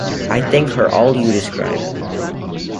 I think her all you describe.